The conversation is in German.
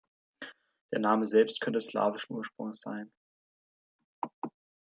Der Name selbst könnte slawischen Ursprungs sein.